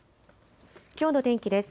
きょうの天気です。